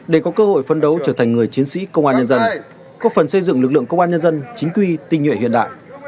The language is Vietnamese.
để có cơ hội phân đấu trở thành người chiến sĩ công an nhân dân có phần xây dựng lực lượng công an nhân dân chính quy tinh nhuệ hiện đại